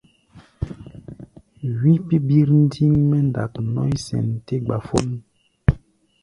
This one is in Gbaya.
Wí pí̧ birndiŋ mɛ́ ndak nɔ̧́í̧ sɛn tɛ́ gbafón.